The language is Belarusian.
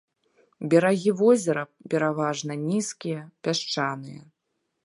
Берагі возера пераважана нізкія, пясчаныя.